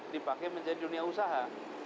dipakai menjadi dunia usaha